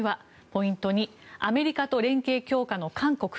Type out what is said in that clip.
ポイント２アメリカと連携強化の韓国。